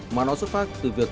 mà nó xuất phát từ việc